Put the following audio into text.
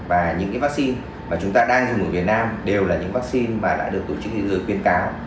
và những cái vaccine mà chúng ta đang dùng ở việt nam đều là những vaccine mà đã được tổ chức dưới quyên cáo